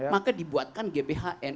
maka dibuatkan gbhn